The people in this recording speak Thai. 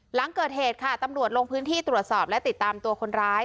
หลังเกิดเหตุค่ะตำรวจลงพื้นที่ตรวจสอบและติดตามตัวคนร้าย